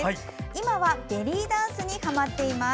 今はベリーダンスにはまっています。